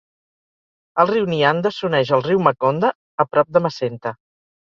El riu Nianda s'uneix al riu Makonda, a prop de Macenta.